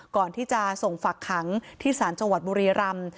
ก่อนที่จะส่งฝักขังที่ศาลจังหวัดบุรีรำ